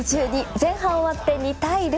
前半終わって２対０。